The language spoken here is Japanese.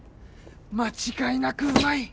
間違いなくうまい。